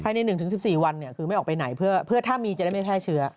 ใน๑๑๔วันคือไม่ออกไปไหนเพื่อถ้ามีจะได้ไม่แพร่เชื้อ